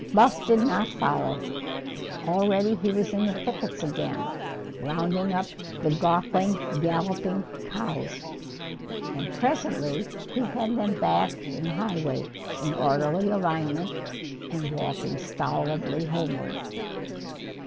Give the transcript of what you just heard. Buff did not follow. Already he was in the thickets again, rounding up the gawkily galloping cows. And presently he had them back in the highway, in orderly alignment and walking stolidly homeward.